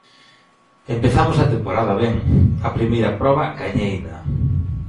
Empezamos a temporada ben, a primeira proba gañeina.